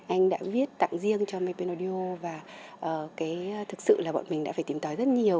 anh đã viết tặng riêng cho mê pê nô điêu và thực sự là bọn mình đã phải tìm tói rất nhiều